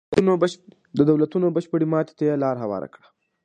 د دولتونو بشپړې ماتې ته یې لار هواره کړه.